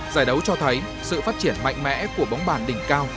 giải đấu cho thấy sự phát triển mạnh mẽ của bóng bàn đỉnh cao